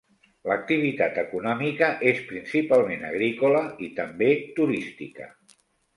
L'activitat econòmica és principalment agrícola i també turística.